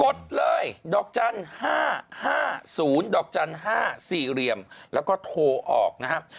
ดเลยดอกจันทร์๕๕๐ดอกจันทร์๕๔เหลี่ยมแล้วก็โทรออกนะครับ